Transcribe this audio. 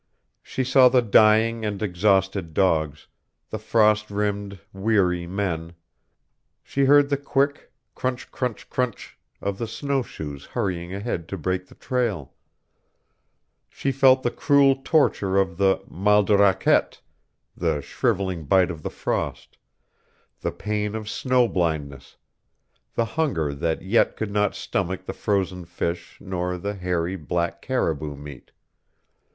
She saw the dying and exhausted dogs, the frost rimed, weary men; she heard the quick crunch, crunch, crunch of the snow shoes hurrying ahead to break the trail; she felt the cruel torture of the mal de raquette, the shrivelling bite of the frost, the pain of snow blindness, the hunger that yet could not stomach the frozen fish nor the hairy, black caribou meat.